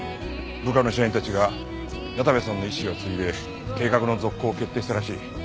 部下の社員たちが矢田部さんの遺志を継いで計画の続行を決定したらしい。